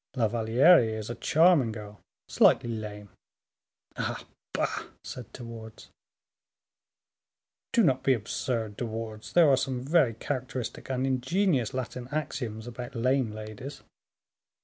La Valliere is a charming girl, slightly lame." "Ah! bah!" said De Wardes. "Do not be absurd, De Wardes, there are some very characteristic and ingenious Latin axioms about lame ladies."